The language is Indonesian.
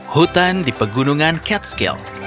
hutan di pegunungan catskill